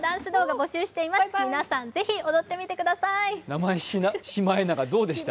名シマエナガ、どうでした？